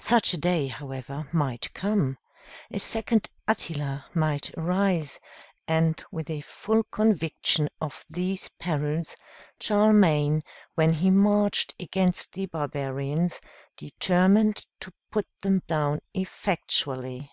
Such a day, however, might come; a second Attila might arise; and with a full conviction of these perils, Charlemagne, when he marched against the barbarians, determined to put them down effectually.